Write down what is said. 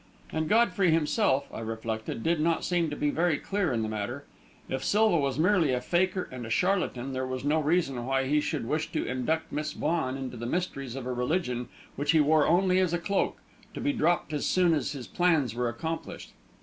And Godfrey himself, I reflected, did not seem to be very clear in the matter. If Silva was merely a fakir and a charlatan, there was no reason why he should wish to induct Miss Vaughan into the mysteries of a religion which he wore only as a cloak, to be dropped as soon as his plans were accomplished.